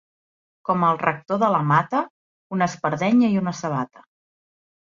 Com el rector de la Mata, una espardenya i una sabata.